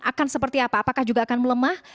akan seperti apa apakah juga akan melemah